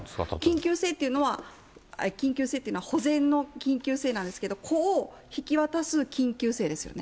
緊急性っていうのは、緊急性っていうのは保全の緊急性なんですけれども、子を引き渡す緊急性ですよね。